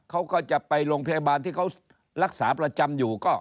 เขาก็จะไปโรงพยาบาลที่เขารักษาประจำอยู่ก็